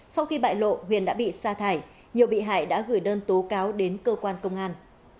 sau khi bại lộ huyền đã bị sa thải nhiều bị hại đã gửi đơn tố cáo đến cơ quan công an